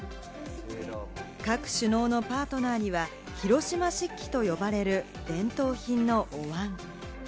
各首脳のパートナーには広島漆器と呼ばれる伝統品のお椀。